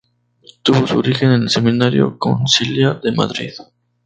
Tuvo su origen en el Seminario Conciliar de Madrid.